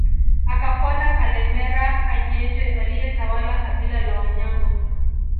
Akafuata Kalemera Kanyenje aliyetawala kabila la Wanyambo